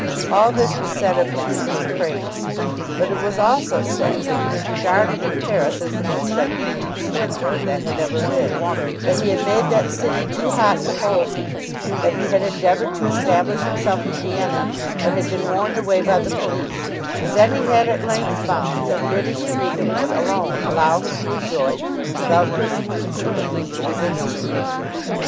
All this was said of him in his praise, but it was also said that he was regarded in Paris as the most gigantic swindler that had ever lived; that he had made that City too hot to hold him; that he had endeavoured to establish himself in Vienna, but had been warned away by the police; and that he had at length found that British freedom would alone allow him to enjoy, without persecution, the fruits of his industry.